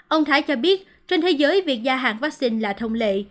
ông thái cho biết trên thế giới việc gia hạn vắc xin là thông lệ